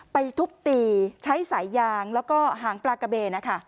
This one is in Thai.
ทุบตีใช้สายยางแล้วก็หางปลากระเบน